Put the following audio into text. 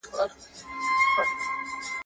زه هره ورځ واښه راوړم!!